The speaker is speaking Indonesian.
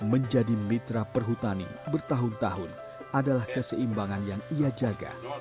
menjadi mitra perhutani bertahun tahun adalah keseimbangan yang ia jaga